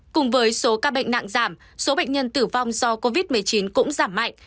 cùng với số ca bệnh nặng giảm số bệnh nhân tử vong do covid một mươi chín cũng giảm mạnh